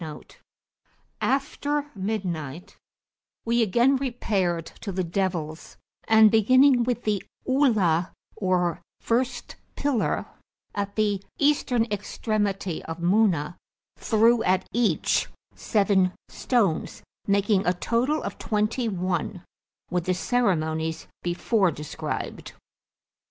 [FN#1] After midnight we again repaired to the Devils, and, beginning with the Ula, or first pillar, at the Eastern extremity of Muna, threw at each, seven stones (making a total of twenty one), with the ceremonies before described.